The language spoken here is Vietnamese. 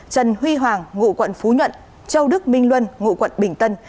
trần huy hoàng ngụ quận phú nhuận châu đức minh luân ngụ quận bình tân